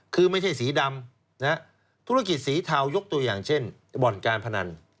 คือไม่ใช่สีดำธุรกิจสีเทายกตัวอย่างเช่นบ่อนการพนัน